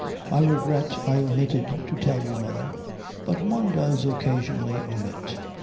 I regret I omitted to tell you, mother, but one does occasionally omit."